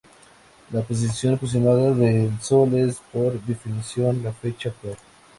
La posición aproximada del Sol es, por definición, la fecha actual.